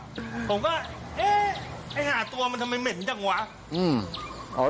แต่ก็เองผมบอกว่าไออ่าตัวมันทำไมเหม็นอยากวะ